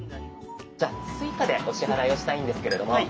じゃあ「Ｓｕｉｃａ」でお支払いをしたいんですけれども。